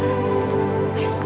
tolongin dia sus